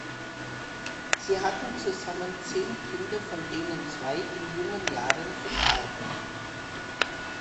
Sie hatten zusammen zehn Kinder, von denen zwei in jungen Jahren verstarben.